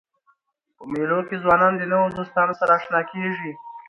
په مېلو کښي ځوانان د نوو دوستانو سره اشنا کېږي.